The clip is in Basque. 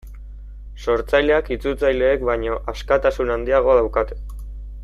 Sortzaileak itzultzaileek baino askatasun handiagoa daukate.